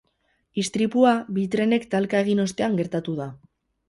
Istripua bi trenek talka egin ostean gertatu da.